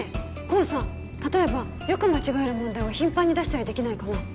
功さ例えばよく間違える問題を頻繁に出したりできないかな？